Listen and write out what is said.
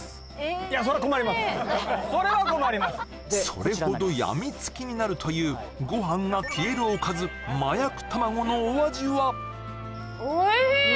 それほどやみつきになるというご飯が消えるおかず麻薬卵のお味は？